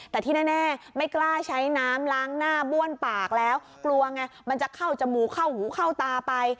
แต่ที่แน่ไม่กล้าใช้น้ำล้างหน้าบ้วนปากแล้วกลัวไงมันจะเข้าจมูกเข้าหูเข้าตาไป